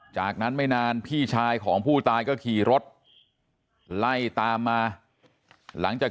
จากนั้นไม่นานพี่ชายของผู้ตายก็ขี่รถไล่ตามมาหลังจาก